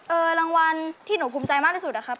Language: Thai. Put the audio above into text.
รางวัลที่หนูภูมิใจมากที่สุดอะครับ